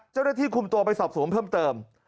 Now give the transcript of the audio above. เจ้าหน้าที่คุมตัวไปสอบสวนเพิ่มเติม